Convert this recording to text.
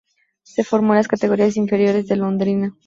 Se formó en las categorías inferiores del Londrina.